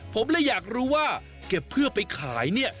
ผมเลยอยากรู้ว่าเก็บเพื่อไปขายเนี่ย